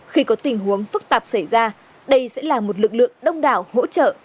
khi có tình huống phức tạp xảy ra đây sẽ là một lực lượng đông đảo hỗ trợ